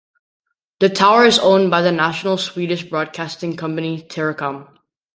The tower is owned by the national Swedish broadcasting company Teracom.